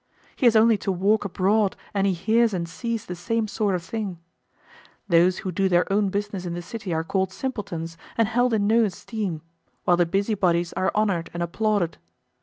He has only to walk abroad and he hears and sees the same sort of thing: those who do their own business in the city are called simpletons, and held in no esteem, while the busy bodies are honoured and applauded.